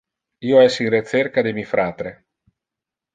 Io es in recerca de mi fratre.